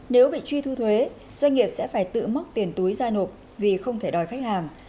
nếu bị truy thu thuế doanh nghiệp sẽ phải tự mốc tiền túi ra nộp vì không thể đòi khách hàng